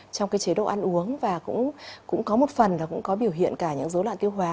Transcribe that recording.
trong cái chế độ ăn uống và cũng có một phần là cũng có biểu hiện cả những dối loạn tiêu hóa